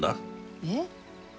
えっ？